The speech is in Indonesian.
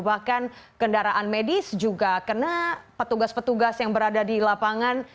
bahkan kendaraan medis juga kena petugas petugas yang berada di lapangan